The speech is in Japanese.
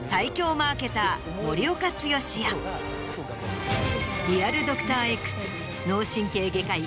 マーケーター森岡毅やリアルドクターＸ脳神経外科医